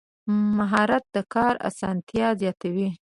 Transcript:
مهارت د کار اسانتیا زیاتوي.